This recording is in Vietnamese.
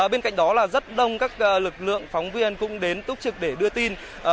bên cạnh đó là rất đông các lực lượng phóng viên cũng đến túc trực để đưa tin